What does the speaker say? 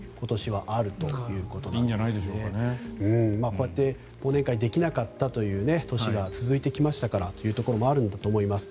こうやって忘年会できなかったという年が続いてきましたからということもあるんだと思います。